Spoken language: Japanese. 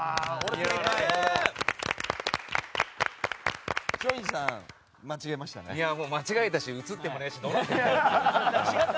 いや、間違えたし映ってもないし。